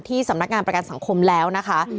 สำนักงานประกันสังคมแล้วนะคะ